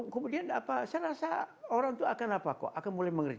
kemudian apa saya rasa orang itu akan apa kok akan mulai mengerik